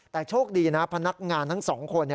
แต่โชคดีนะพนักงานทั้งสองคน